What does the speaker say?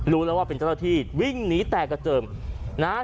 รู้แล้วว่าเป็นเจ้าหน้าที่วิ่งหนีแตกกระเจิมนะฮะ